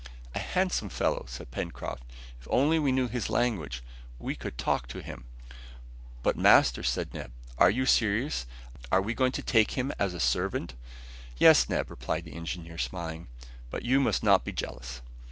"A handsome fellow!" said Pencroft; "if we only knew his language, we could talk to him." "But, master," said Neb, "are you serious? Are we going to take him as a servant?" "Yes, Neb," replied the engineer, smiling. "But you must not be jealous."